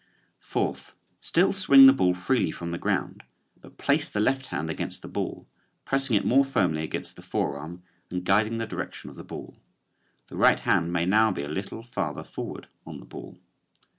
Fourth: Still swing the ball freely from the ground but place the left hand against the ball, pressing it more firmly against the forearm and guiding the direction of the ball. The right hand may now be a little farther forward on the ball.